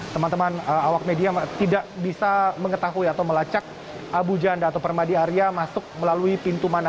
teman teman awak media tidak bisa mengetahui atau melacak abu janda atau permadi arya masuk melalui pintu mana